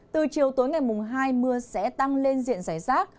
từ chiều tối ngày mùng hai mưa sẽ tăng lên diện giải rác